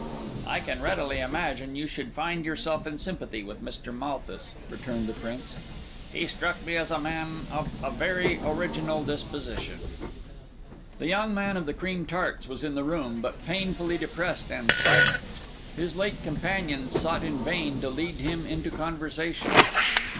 "I can readily imagine you should find yourself in sympathy with Mr. Malthus," returned the Prince. "He struck me as a man of a very original disposition." The young man of the cream tarts was in the room, but painfully depressed and silent. His late companions sought in vain to lead him into conversation.